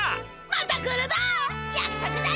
また来るだ！